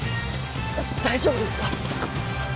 大丈夫ですか？